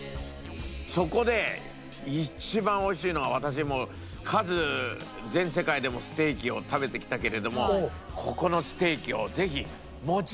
そこで一番美味しいのは私もう数全世界でもステーキを食べてきたけれどもここのステーキをぜひ。